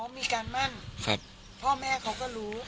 อ๋อมีการมั่นครับพ่อแม่เขาก็รู้